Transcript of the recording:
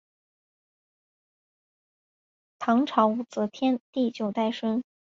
苏洵是唐朝武则天在位时的宰相苏味道之子苏份的第九代孙。